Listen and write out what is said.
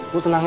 bu tenang ya